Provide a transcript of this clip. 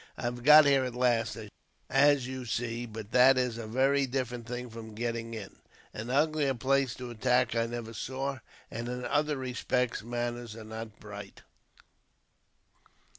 "I have got here at last, as you see, but that is a very different thing from getting in. An uglier place to attack I never saw; and in other respects, matters are not bright.